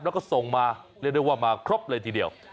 แล้วก็ส่งมาเรียกได้ว่ามาครบเลยทีเดียว